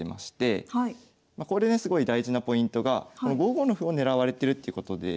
これですごい大事なポイントが５五の歩を狙われてるっていうことで。え。